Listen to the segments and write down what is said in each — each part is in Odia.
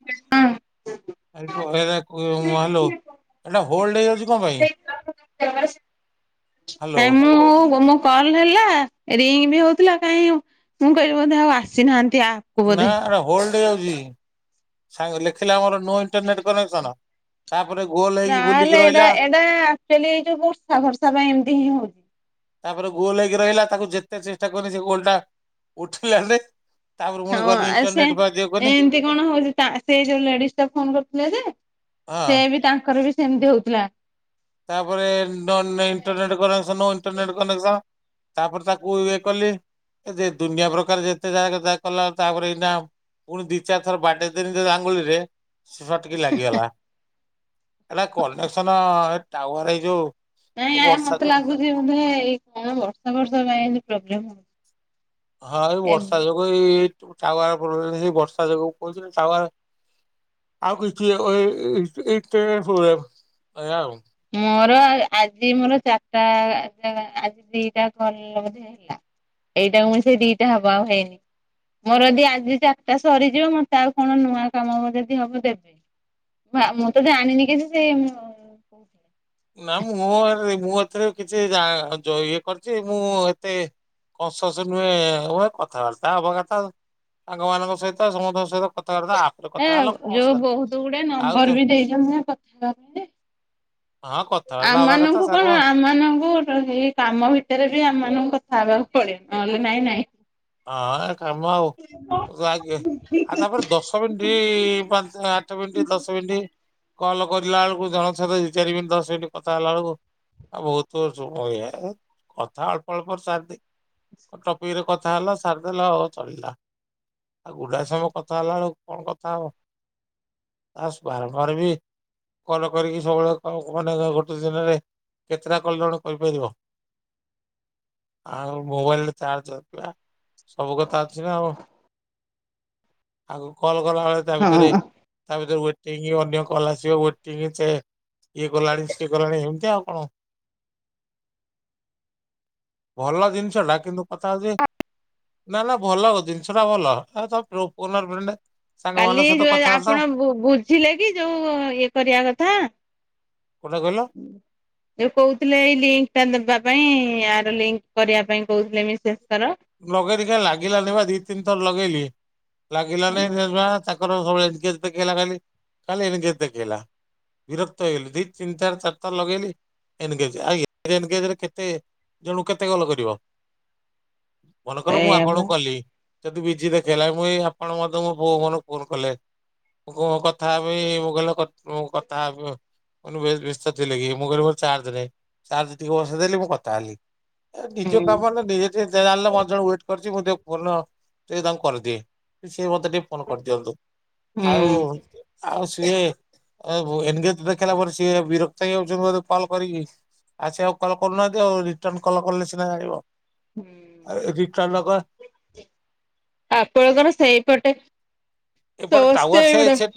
[unintelligible] [unintelligible] ହାଲୋ ଏଟା ହୋଲଡ ହେଇଯାଉଛି କଣ ପାଇଁ ହ୍ୟାଲୋ କାଇଁ ମୁଁ ମୋ କଲ ହେଲା ରିଙ୍ଗ ବି ହଉଥିଲା କାହିଁ ମୁଁ କହିଲି ବୋଧେ ଆଉ ଆସିନାହାନ୍ତି ଆପ୍ ନା ହୋଲ୍ଡ ହେଇ ଯାଉଚି ସାଙ୍ଗ ଲେଖିଲା ଆମର ନୋ ଇଣ୍ଟରନେଟ କନେକ୍ସନ ତାପରେ ଗୋଲ ହେଇକି ବୁଲିକି ରହିଲା ନା ଆକଚୁଆଲି ଏଇ ଯୋଉ ବର୍ଷା ଫର୍ସା ପାଇଁ ଏମିତି ହିଁ ହଉଛି ତାପରେ ଗୋଲ ହେଇକି ରହିଲା ତାକୁ ଯେତେ ଚେଷ୍ଟା କଲେ ସେ ଗୋଲ ଟା ଉଠିଲାନି ତାପରେ ପୁଣି ହଁ ଗଲି ଆ ସେ ଇଣ୍ଟରନେଟ ବା ଦିଅ କନି ଏମିତି କଣ ହଉଛି ସେ ଯୋଉ ଲେଡିସ୍‌ ଟା ଫୋନ କରିଥିଲେ ଯେ ହଁ ସେ ବି ତାଙ୍କର ବି ସେମିତି ହଉଥିଲା ତାପରେ ଇଣ୍ଟରନେଟ କନେକସନ୍ ଇଣ୍ଟରନେଟ କନେକ୍ସନ ତାପରେ ତାକୁ ଇଏ କଲି ଯେ ଦୁନିଆ ପ୍ରକାର ଯେତେ ଯାଗ ଯା କଲା ତାପରେ ଏଇନା ପୁଣି ଦି ଚାରି ଥର ବାଡେଇଦେଲିଣି ଆଙ୍ଗୁଳିରେ ଫଟ୍ କି ଲାଗିଗଲା ହେଟା କନେକ୍ସନ ଟାୱାର ଏଇ ଯୋଉ ନାଇଁ ଏ ଆ ବର୍ଷା ମତେ ଯୋଗୁ ଲାଗୁଛି ବୋଧେ ଏଇ କଣ ବର୍ଷା ଫର୍ଷା ପାଇଁ ଏଇ ପ୍ରୋବ୍ଲେମ ହଉଛି ହଁ ଏଇ ଏ ବର୍ଷା ଯୋଗୁ ଏଇ ଟାୱାର ସେ ବର୍ଷା ଯୋଗୁ ପଳଉଚି ନା ଟାୱାର ଆଉ କିଛି [unintelligible] ମୋର ଆଜି ମୋର ଚାରିଟା ଆଜି ଦିଟା କଲ ହେଲା ଏଇଟା କୁ ମିସେଇକି ଦିଟା ହବ ଆଉ ହେଇନି ମୋର ଯଦି ଆଜି ଚାରିଟା ସରିଯିବ ମୋତେ ଆଉ କଣ ନୂଆ କାମ ଯଦି ହବ ଦେବେ ମୁଁ ତ ଜାଣିନି କି ସେ [inaudible] ନା ମୁଁ ମୁଁ ଏଥିରେ କିଛି ଯା ଇଏ କରିଛି ମୁଁ ଏତେ କସସ ନୁହେଁ ହ କଥାବାର୍ତ୍ତା ହବା କଥା ଆଉ ସାଙ୍ଗ ମାନଙ୍କ ସହିତ ସମସ୍ତଙ୍କ ସହିତ କଥାବାର୍ତ୍ତା ଆପରେ ଏ କଥା ହେଲ କଣ ଯୋଉ ସା ବହୁତ ଗୁଡେ ଆଉ ନମ୍ବର ତ ବି ଦେଇଛନ୍ତି କଥା କ- ହଁ କଥାବାର୍ତ୍ତା ହବା କଥା ଆମମାନଙ୍କୁ ସାଙ୍ଗ କଣ ଆମମାନଙ୍କୁ ତ ହେଇ କାମ ଭିତରେ ବି ଆମ ମାନଙ୍କୁ କଥା ହେବାକୁ ପଡ଼େ ନହେଲେ ନାଇଁ ନାଇଁ ହଁ କାମ ଆଉ [unintelligible] ଆଉ ତାପରେ ଦଶ [unintelligible] ପାଞ୍ଚ ଆଠ ମିନଟି ଦଶ ମିନଟି। କଲ୍ କରିଲା ବେଳକୁ ଜଣକ ସହିତ ଦି ଚାରିି ମିନିଟ୍ ଦଶ ମିନିଟ୍ କଥା ହେଲା ବେଳକୁ ଆ ବହୁତ [unintelligible] କହିଆ କଥା ଅଳ୍ପ ଅଳ୍ପ ସାରିଦିଏ ଟପିକରେ କ କଥା ହେଲ ସାରିଦେଲ ଅ ଚଳିଲା। ଆଉ ଗୁଡାଏ ସମୟ କଥା ହେଲା ବେଳକୁ କଣ କଥା ହବ। ଆସ ସ୍କ୍ୱାର ଫାର ବି କଲ କରିକି ସବୁବେଳେ ମାନେ ଗୋଟେ ଦିନରେ କେତେଟା କଲ୍ ଜଣେ କରିପାରିବ ଆଉ ମୋବାଇଲରେ ଚାର୍ଜ ଅଛିବା। ସବୁ କଥା ଅଛି ନା ଆଉ, ଆକୁ କଲ କଲା ବେଳେ ତା ଭିତରେ ହଁ। ତା ଭିତରେ ୱେଟିଙ୍ଗ୍ ଅନ୍ୟ କଲ ଆସିବ ୱେଟିଙ୍ଗ ଚେ। ଇଏ କଲାଣି ସିଏ କଲାଣି ଏମିତି ଆଉ କଁ। ଆ ଭଲ ଜିନିଷଟା କିନ୍ତୁ କଥା ହଉଚି ନା ନା ଭଲ ଜିନିଷଟା ଭଲ ଆର ତମ [unintelligible] ଫୋନ ଏ ଫ୍ରେଣ୍ଡେ। କାଲି ଯ ଆପଣ ବୁ-ବୁଝିଲେ କି ଯୋଉ ଇଏ କରିଆ କଥା? କୋଉଟା କହିଲ? ହୁଁ। ଯୋଉ କହୁଥିଲେ ଏଇ ଲିଙ୍କ ଟା ଦବା ପାଇଁ ଆର ଲିଙ୍କ କରିବା ପାଇଁ କହୁଥିଲେ ମିସେସଙ୍କର। ଲଗେଇଲି କାଇଁ ଲାଗିଲାନି ବା ଦି ତିନି ଥର ଲଗେଇଲି ଲାଗିଲାନି ହୁଁ। ସେ [unintelligible] ଙ୍କର ସ ଏନଗେଞ୍ଜ ଦେଖେଇଲା ଖାଲି, ଖାଲି ଏନଗେଞ୍ଜ ଦେଖେଇଲା। ବିରକ୍ତ ହେଇଗଲି ଦି ତିନ ଚାର ଚାରିଥର ଲଗେଇଲି। ଏନଗେଞ୍ଜେ ଆଉ ଏନଗେଞ୍ଜରେ କେତେ ଜଣୁକୁ କେତେ କଲ କରିବ। ମନେକର ମୁଁ ସେଇଆ ପା ଆପଣଙ୍କୁ କଲି ଯଦି ବିଜି ଦେଖେଇଲା ମୁଁ ଏଇ ଆପଣ ମୋତେ ମୋ ବୋଉ ଫୋନକୁ ଫୋନ କଲେ କଁ କଥା ହେବି ମୁଁ କହିଲି କଥ ମୁଁ କଥା ହେବି ଆଉ। ମୁଁ କହିଲି ବେସ-ବ୍ୟସ୍ତ ଥିଲେ କି, ମୁଁ କହିଲି ମୋର ଚାର୍ଜ ନାହିଁ, ଚାର୍ଜ ଟିକେ ବସେଇ ଦେଲି ମୁଁ କଥା ହେଲି। ନିଜେ ହୁଁ କାମ ନା [unintelligible] ଜାଣିଲ। ମତେ ଜଣେ ୱେଟ୍ କରିଚି ମୁଁ ଟିକେ ଫୋନ ଟିକେ ତାଙ୍କୁ କରିଦିଏ, ସିଏ ମତେ ଟିକେ ଫୋନ୍ କରିଦିଅନ୍ତୁ, ଆଉ ହୁଁ। ଆଉ ସିଏ ଆଉ ଏନଗେଞ୍ଜ ତ ଦେଖିଲା ପରେ ସିଏ ବିରକ୍ତ ହେଉ ଯାଉଛନ୍ତି ମୋତେ କଲ୍ କରିକି। ଆଉ ସେ ଆଉ କଲ କରୁନାହାନ୍ତି ଆଉ, ରିଟର୍ନ କଲ୍ କଲେ ସିନା ଜାଣିବ, ଆଉ ରିଟର୍ନ କଲ୍ ଆପଣଙ୍କର ସେଇପଟେ ଏପଟେ ସମସ୍ତେ ଟାୱାର ସେ ଏଗୁଡା ସେ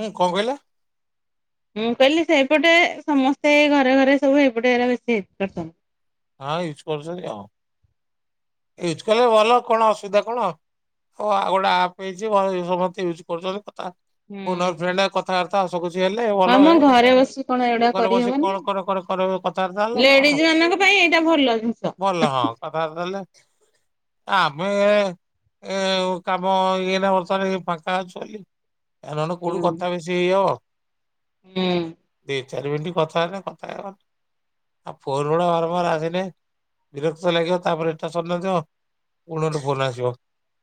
ଉଁ କଁ କହିଲେ? ମୁଁ କହିଲି ସେପଟେ ସମସ୍ତେ ଘରେ ଘରେ ସବୁ ଏଇପଟେ ଏଇରା ବେଶୀ [unintelligible] ହଁ ୟୁଜ୍ କରୁଛନ୍ତି ଆଉ। ୟୁଜ୍ କଲେ ଭଲ କଣ ଅସୁବିଧା କଣ? ଓ ଆଉ ଗୋଟେ ଆପ୍ ହେଇଚି ଭଲ ସମସ୍ତେ ୟୁଜ୍ କରୁଛନ୍ତି କଥା ଫୋନ୍ ଏ ହୁଁ ଫ୍ରେଣ୍ଡ ଆଉ କ କଥାବାର୍ତ୍ତା ହସ ଖୁସି ହେଲେ ଭଲ ଆମ ଏ, ଘରେ ବସି କଣ ଏଗୁଡା ଘରେ ବସିିକି କରିହବନି। କଣ କର କର କର କ କଥାବାର୍ତ୍ତା ହେଲ ଲେଡିଜ କଣ ମାନଙ୍କ ପାଇଁ ଏଇଟା ଭଲ ଜିନିଷ। ଭଲ ହଁ କଥାବାର୍ତ୍ତା ହେଲେ। ତ ଆମେ ଏ କାମ ଏଇନା ବର୍ତ୍ତମାନ ଫାଙ୍କା ଅଛୁ ବୋଲି। ଏ ନହେଲେ କୋଉଠୁ କଥା ବେଶି ହେଇ ହବ। ହୁଁ। ଦି ଚାରି ମିନିଟ୍ କଥା ହେଲେ କଥା ହେଇ ହବନି। ଆଉ ଫୋନ୍ ଗୁଡା ବାରମ୍ବାର ଆସିଲେ ବିରକ୍ତ ଲାଗିବ ତାପରେ ତାର ସରିନଥିବ ପୁଣି ଗୋଟେ ଫୋନ ଆସିବ,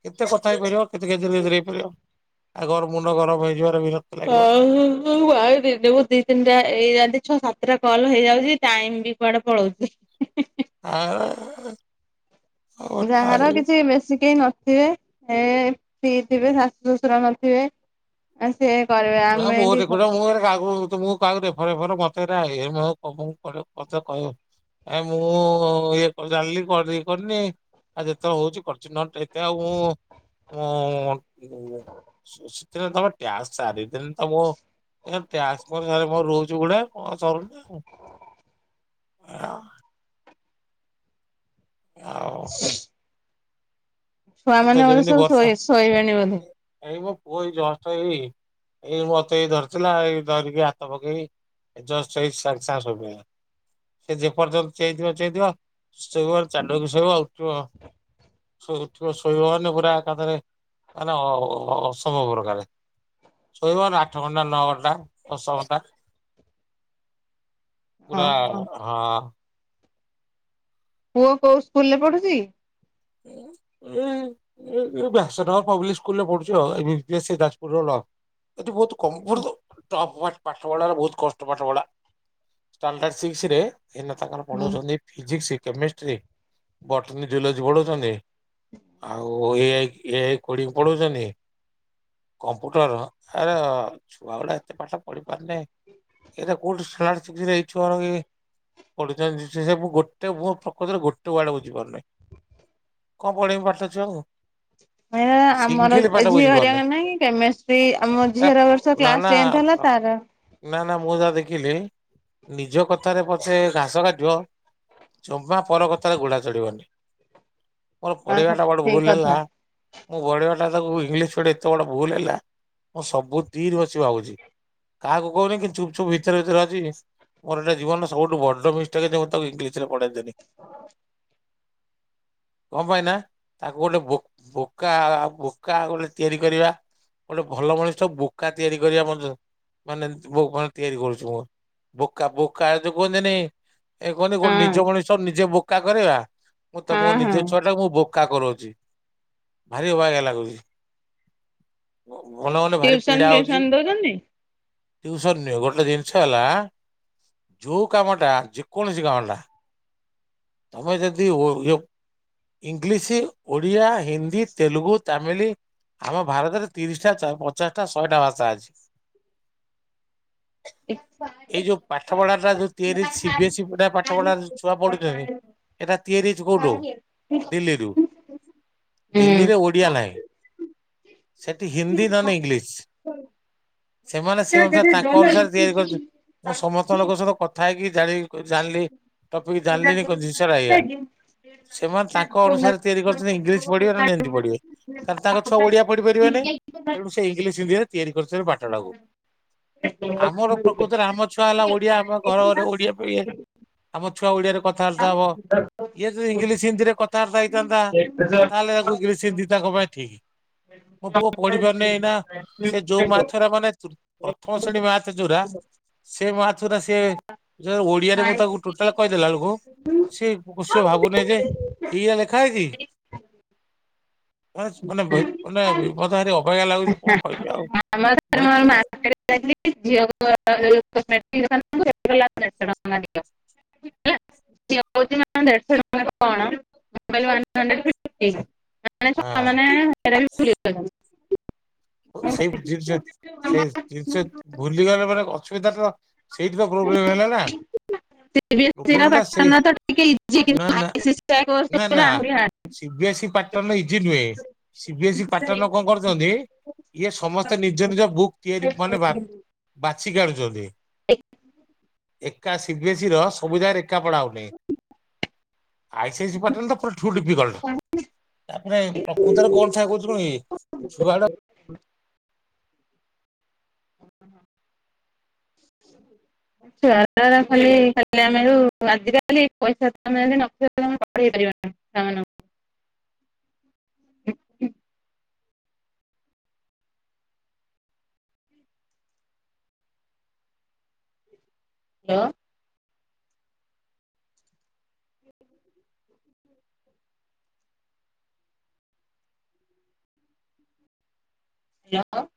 କେତେ କଥା ହେଇପାରିବ କେତେ ଗେଜେର ଗେଜେର ହେଇପାରିବ। [unintelligible] ମୁଣ୍ଡ ଗରମ ହେଇଯିବ ବିର। କହୁ ମୁଁ ଆଉ ଦିନୁକୁ ଦି ତିନିଟା ହେଇଯାନ୍ତି ଛଅ ସାତଟା କଲ ହେଇଯାଉଚି, ଟାଇମ୍ ବି କୁଆଡେ ପଳଉଚି। ହିହିହି ଆଉ ଯାହାର କିଛି ବେଶୀ କେହି ନଥିବେ, ଏ ଫ୍ରି ଥିବେ ଶାଶୁ ଶ୍ୱଶୁର ନଥିବେ। ଆ ସେ କରିବେ ନା ଆମେ ଏଠି [unintelligible] କାହାକୁ ରେଫର୍ ଫେପର୍ ମତେ ଏଗୁରା ଏ ମନ କଥା କହିବ। ଏ ମୁଁ ଇଏ କ ଜାଣିଲି କରିନ କରିନି। ଆଉ ଯେତେବେଳେ ହଉଛି କରୁଛି ନହେଲେ ଏତେ ଆଉ ମୁଁ ଉଁ କରୁନି। ସେତେବେଳେ ତମେ ଟ୍ୟାକ୍ସ ସାରିଦେଲେ ତ ମୁଁ ଏ ଟ୍ୟାକ୍ସ ମୋ ସାରେ ମୋର ରହୁଛି ଗୁଡା ସରୁନି ଏୟା। ଆଉ ଏତ ଛୁଆମାନେ ବୋଧେ ଯେମିତି ସବୁ ବର୍ଷା ଶୋଇ ଶୋଇବେଣୀ ବୋଧେ। ଏଇ ମୋ ପୁଅ ଏଇ ଜଷ୍ଟ ଏଇ ଏଇ ମତେ ଏଇ ଧରିଥିଲା ଏଇ ଧରିକି ହାତ ପକେଇ ଏ ଜଷ୍ଟ ଏଇ ସାଙ୍ଗେ ସାଙ୍ଗେ ଶୋଇପଡ଼ିଲା। ସେ ଯେ ପର୍ଯ୍ୟନ୍ତ ଚେଇଥିବା ଚେଇଥିବା ଶୋଇବ ଚାଢକରିଶୋଇବ ଆଉ ଉଠିବ। ଶୋ ଉଠିବ ଶୋଇବ ମାନେ ପୁରା ଏକାଥରେ ମାନେ ଅସମ ପ୍ରକାରେ। ଶୋଇବ ମାନେ ଆଠଘଣ୍ଟା, ନଅଘଣ୍ଟା, ଦଶଘଣ୍ଟା। ପୁରା ଓହୋ ହଁ। ପୁଅ କୋଉ ସ୍କୁଲରେ ପଢୁଛି? ଉଁ ଉଁ। ଏ ଏ ବ୍ୟାସନଗର ପବ୍ଲିକ୍ ସ୍କୁଲରେ ପଢୁଛି ଆଉ ଏବିପିଏସି ଯାଜପୁର ରୋଡ଼ ଆଉ ଏଠି ବହୁତ କମ୍ପୁଟର ତ ଟପ୍ ଟା ପାଠପଢ଼ା ବହୁତ କଷ୍ଟ ପାଠପଢ଼ା ଷ୍ଟାଣ୍ଡାଡ ସିସ୍କ୍ ରେ। ଏଇନା ତାଙ୍କର ହୁଁ। ପଢଉଛନ୍ତି ଫିଜିକ୍ସ, କେମିଷ୍ଟ୍ରି, ବଟନୀ, ଜୁଲୋଜି ପଢଉଛନ୍ତି। ଆଉ ଇଏ ଇଏ କୋଉଠିକି ପଢଉଛନ୍ତି। କମ୍ପ୍ୟୁଟର୍ ଆରେ ଛୁଆ ଗୁଡା ଏତେ ପାଠପଢି ପାରିଲେ ଏଇଗୁରା କୋଉଠି ସ୍ଲାସ ଶିଦିରେ ଏଇଛୁଆ ଗୁରା ଏ ପଢୁଛନ୍ତି ସେସବୁ ଗୋଟେ ମୁଁ ପ୍ରକୃତରେ ଗୋଟେ ୱାଡ ବୁଝି ପାରୁନି। କଣ ପଢେଇବି ପାଠଛୁଆଙ୍କୁ। ଏଇନା ଆମର ଏ ଝିଅ ବୁଝିପାରୁନି ଘରିକାଙ୍କର ନାଇଁ କି କେମେଷ୍ଟ୍ରୀ ଆମ ଝିଅର ଏ ବର୍ଷ ନା କ୍ଲାସ ନା ଟେନ୍ଥ ହେଲା ତାର ନା ନା ମୁଁ ଯାହା ଦେଖିଲି ନିଜ କଥାରେ ପଛେ ଘାସ କାଟିବ। ଜମା ପର କଥାରେ ଘୋଡା ଚଢିବନି। ମୋର ଓହୋ ପଢେଇବା ଟା ବଡ ଠିକ ଭୁଲ୍ କଥା ହେଲା। ମୁଁ ପଢେଇବାଟା ତାକୁ ଇଂଲିଶ ପଢେଇ ଏତେ ବଡ ଭୁଲ୍ ହେଲା ମୁଁ ସବୁ ଦିନ ବସି ଭାବୁଛି। କାହାକୁ କହୁନି କିନ୍ତୁ ଚୁପ୍ ଚୁପ୍ ଭିତରେ ଭିତରେ ଅଛି ନି ମୋର ଏଇଟା ଜୀବନର ସବୁଠୁ ବଡ ମିସଟେକ୍ ଯେ ମୁଁ ତାକୁ ଇଂଲିଶରେ ପଢେଇ ଦେଲି। [inaudible] କଣ ପାଇଁ ନା ତାକୁ ଗୋଟେ ବ ବୋକା ବୋକା ଗୋଟେ ତିଆରି କରିବା। ଗୋଟେ ଭଲ ମଣିଷ ବୋକା ତିଆରି କରିବା ମନ୍ଦ ମାନେ ମୋ ଘରେ ତିଆରି କରୁଛି ମୁ। ବୋକା ବୋକା ଏ କୁହନ୍ତି ଏ କୁହନ୍ତି ଗୋଟେ ହଁ ନିଜ ମଣିଷ ନିଜେ ବୋକା କରେଇବା। ମୁଁ ତ ମୋ ହଁ ହଁ ନିଜ ଛୁଆ ଟାକୁ ମୁଁ ବୋକା କରଉଛି ଭାରି ଅବାଗିଆ ଲାଗୁଛି। ଘନେ ଘନେ ଭାରି ଟିଉସନ ପୀଡା ହଉଛି। ଫିଉସନ ଦଉଛନ୍ତି? ଟିୟୁସନ୍ ନିଅ ଗୋଟେ ଜିନିଷ ହେଲା ଯେଉଁ କାମଟା ଯେକୌଣସି କାମଟା ତମେ ଯଦି ଓ ଇଓ ଇଂଲିଶ୍, ଓଡ଼ିଆ, ହିନ୍ଦୀ, ତେଲୁଗୁ, ତାମିଲି ଆମ ଭାରତରେ ତିରିଶି ଟା ଚା ପଚାଶ୍ ଟା ଶହେଟା ଭାଷା ଅଛି। [inaudible] [unintelligible] ଏଇ ଯୋଉ ପାଠ ପଢା ଟା ଯୋଉ ତିଆରି ହେଇଛି ସିବି ଏସ୍ଇ ପିଲା ପାଠ ପଢା ଛୁଆ ପଢୁଥିବେ। ଏଇଟା ତିଆରି ହେଇଚି କଉଠୁ ଦିଲ୍ଲୀରୁ ଦିଲ୍ଲୀରେ ଓଡ଼ିଆ ନାହିଁ। ସେଠି ହିନ୍ଦୀ ନହେଲେ ଇଂଲିଶ୍ ସେମାନେ ସେ ଅନୁସାରେ ତାଙ୍କ ଅନୁସାରେ ତିଆରି କରିଛ ମୁଁ ସମସ୍ତ ଲୋକଙ୍କ ସହିତ କଥା ହେଇକି ଜାଣି ଜାଣିଲି ଟପିକ୍ ଜାଣିଲିନି ଜିନିଷ ଟା ଏଇଆ ସେମାନେ ତାଙ୍କ ଅନୁସାରେ ତିଆରି କରୁଛନ୍ତି ଇଂଲିଶ୍ ପଢିବେ ନା ପଢିବେ କାରଣ ତାଙ୍କ ଛୁଆ ଓଡିଆ ପଢି ପାରିବେନି। ତେଣୁ ସେ ଇଂଲିଶ୍ ହିନ୍ଦୀରେ ତିଆରି କରିଥିବେ ପାଠ ଟାକୁ। ଆମର ପ୍ରକୃତରେ ଆମ ଛୁଆ ହେଲା ଓଡିଆ ଆମ ଘର ଘରେ ଓଡିଆ ପଢିବେ। ଆମ ଛୁଆ ଓଡିଆରେ କଥାବାର୍ତ୍ତା ହବ। ଇଏ ଯଦି ଇଂଲିଶ ହିନ୍ଦୀରେ କଥାବାର୍ତ୍ତା ହେଇଥାନ୍ତା ତାହେଲେ ତାକୁ ଇଂଲିଶ ହିନ୍ଦୀ ତାଙ୍କ ପାଇଁ ଠିକ୍। ମୋ ପୁଅ ପଢିିପାରୁନି ଏନା ସେ ଯୋଉ ମ୍ୟାଥ୍ ମାନେ ତୃ ପ୍ରଥମ ଶ୍ରେଣୀ ମ୍ୟାଥ୍ ଯୋଉରା ସେ ମ୍ୟାଥ୍ ଗୁରା ସିଏ ଯୋଉର ଓଡିଆରେ ମୁଁ ତାକୁ ଟୋଟାଲ କହିଦେଲା ବେଳକୁ ସିଏ ସିଏ ଭାବୁନାହିଁ ଯେ ଏଇଆ ଲେଖାହେଇଚି। ମାନେ ମାନେ ମୋତେ ଭରି ଅବାଗିଆ ଲାଗୁଛି କଣ କହିବି ଆଉ। ମାନେ [unintelligible] [inaudible] [unintelligible] [unintelligible] ସେଇ ଜିନିଷ ସେଇ ଜିନିଷ ଭୁଲିଗଲେ ମାନେ ଅସୁବିଧା ତ ସେଇଠି ପା ପ୍ରୋବ୍ଲେମ ହେଲା ନା। ପ୍ରୋବ୍ଲେମ ଟା ସେଇ ନା ନା ନା ନା [unintelligible] ସିବି ଏସ୍ଇ ପାଟନ ଇଜି ନୁହେଁ ସିବି ଏସ୍ଇ ପାଟନ କଣ କଣ କରୁଛନ୍ତି ଇଏ ସମସ୍ତେ ନିଜ ନିଜ ବୁକ୍ ତିଆରି ମାନେ ବା-ବାଛି ଆଣୁଛନ୍ତି। ଏକ୍ ଏକା ସିିବି ଏସ୍ଇ ର ସବୁ ଜାଗାରେ ଏକା ପଢା ହଉନି। ଆଇସି ଆଇସି ପାଟନ୍ ଟା ୟାଠୁ ଡିଫିକଲ୍ଟ। ତାପରେ ପ୍ରକୃତରେ [unintelligible] ଣ କି ଛୁଆ ଗୁଡା [inaudible] [inaudible] [unintelligible] ପିଲାମାନଙ୍କୁ। [unintelligible] [inaudible]